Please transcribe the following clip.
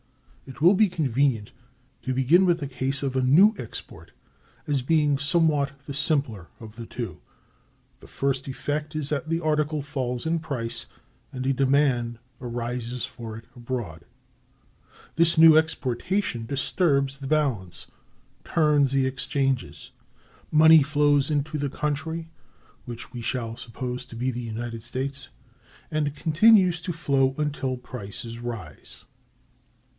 It will be convenient to begin with the case of a new export, as being somewhat the simpler of the two. The first effect is that the article falls in price, and a demand arises for it abroad. This new exportation disturbs the balance, turns the exchanges, money flows into the country (which we shall suppose to be the United States), and continues to flow until prices rise.